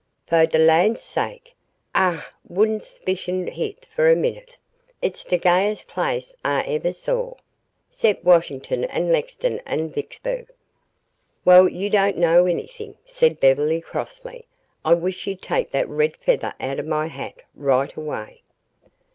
"Fo' de lan's sake, Ah wouldn' s'picioned hit fo' a minnit. Hit's de gayest place Ah mos' eveh saw 'cept Wash'ton an' Lex'ton an' Vicksbu'g." "Well, you don't know everything," said Beverly crossly. "I wish you'd take that red feather out of my hat right away."